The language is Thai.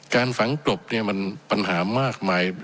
การฝังกลบเนี่ยมันปัญหามากมาย